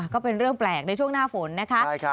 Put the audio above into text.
ก็เป็นเรื่องแปลกในช่วงหน้าฝนนะครับใช่ครับ